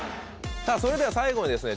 さぁそれでは最後にですね